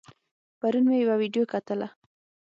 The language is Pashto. پرون مې يوه ويډيو کتله